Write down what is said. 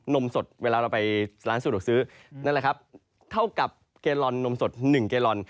นมสดเวลาเราไปร้านสะดวกซื้อนั่นแหละครับเท่ากับเกลอนนมสด๑เกลอน